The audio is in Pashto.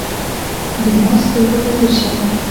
د ما سترګو ته ځیر شه